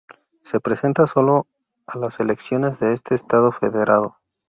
Se presenta solo a las elecciones de este estado federado.